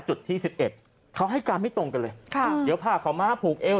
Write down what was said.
จุดที่สิบเอ็ดเขาให้การไม่ตรงกันเลยค่ะเดี๋ยวผ่าเขามาผูกเอว